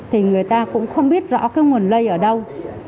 thì người ta cũng không biết rõ cái nguồn lây ở đâu